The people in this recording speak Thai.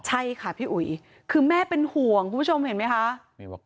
ใช่ค่ะพี่อุ๋ยคือแม่เป็นห่วงคุณผู้ชมเห็นไหมคะ